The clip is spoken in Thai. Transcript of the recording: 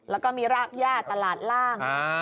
แล้วก็มีรากย่าตลาดล่าง